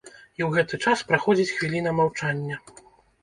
І ў гэты час праходзіць хвіліна маўчання.